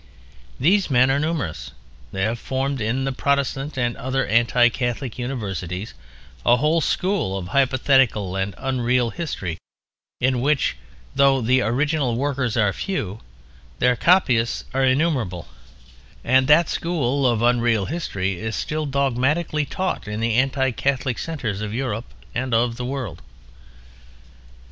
These men are numerous, they have formed, in the Protestant and other anti Catholic universities, a whole school of hypothetical and unreal history in which, though the original workers are few, their copyists are innumerable: and that school of unreal history is still dogmatically taught in the anti Catholic centres of Europe and of the world.